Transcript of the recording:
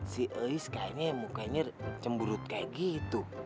si iis kayaknya mukanya cemburut kayak gitu